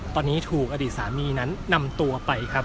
ตอนนี้ถูกอดีตสามีนั้นนำตัวไปครับ